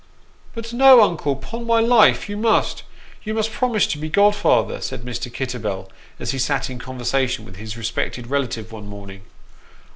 "No, but uncle, 'pon my life you must you must promise to be godfather," said Mr. Kitterbell, as he sat in conversation with his respected relative one morning.